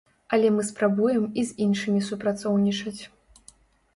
Але мы спрабуем і з іншымі супрацоўнічаць.